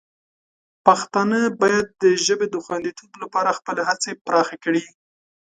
پښتانه باید د ژبې د خوندیتوب لپاره خپلې هڅې پراخې کړي.